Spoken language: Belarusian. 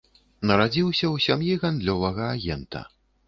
Нарадзіўся ў сям'і гандлёвага агента.